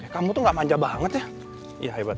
kamu tuh ga manja banget ya